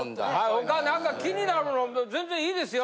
他何か気になるの全然いいですよ。